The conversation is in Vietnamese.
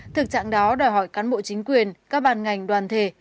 thực trạng đó đòi hỏi cán bộ chính quyền các bàn ngành đoàn thể